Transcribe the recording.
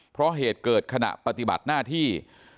เพราะเหตุเกิดขณะปฏิบัติหน้าที่